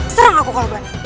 serang aku kalau berani